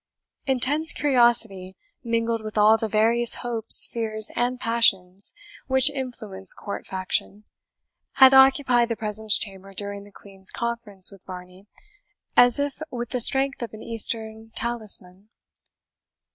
Intense curiosity, mingled with all the various hopes, fears, and passions which influence court faction, had occupied the presence chamber during the Queen's conference with Varney, as if with the strength of an Eastern talisman.